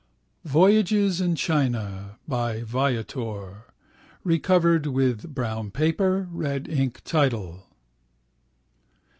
Voyages in China by "Viator" (recovered with brown paper, red ink title).